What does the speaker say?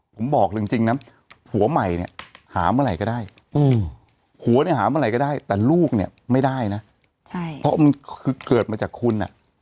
ผมบอกเลยจริงนะผัวใหม่เนี่ยหาเมื่อไหร่ก็ได้ผัวเนี่ยหาเมื่อไหร่ก็ได้แต่ลูกเนี่ยไม่ได้นะเพราะมันคือเกิดมาจากคุณอ่ะ